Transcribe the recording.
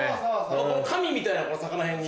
この神みたいな魚偏に。